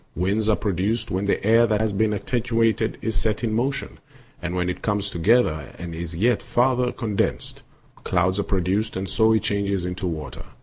Winds are produced when the air that has been attenuated is set in motion; and when it comes together and is yet farther condensed, clouds are produced, and so it changes into water.